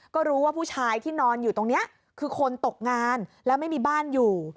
ก็รู้ว่าผู้ชายที่นอนอยู่ตรงนี้คือคนตกงานแล้วไม่มีบ้านอยู่